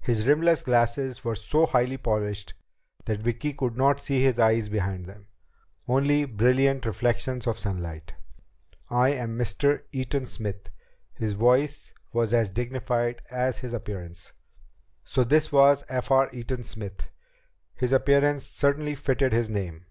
His rimless glasses were so highly polished that Vicki could not see his eyes behind them, only brilliant reflections of sunlight. "I am Mr. Eaton Smith." His voice was as dignified as his appearance. So this was F. R. Eaton Smith! His appearance certainly fitted his name.